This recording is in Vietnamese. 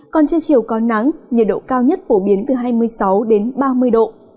còn trưa chiều có nắng nhiệt độ cao nhất phổ biến từ hai mươi sáu ba mươi độ